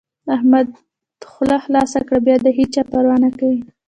که احمد خوله خلاصه کړي؛ بيا د هيچا پروا نه کوي.